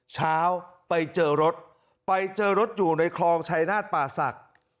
เช้าไปเจอรถไปเจอรถอยู่ในคลองชายนาฏป่าศักดิ์